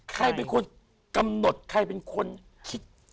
ใครเป็นคนกำหนดใครเป็นคนคิด